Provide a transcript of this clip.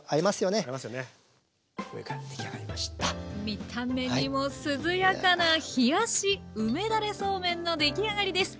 見た目にも涼やかな冷やし梅だれそうめんのできあがりです。